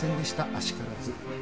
あしからず。